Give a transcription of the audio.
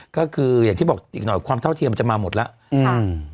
ก็คืออย่างที่บอกอีกหน่อยความเท่าเทียมจะมาหมดแล้วอืม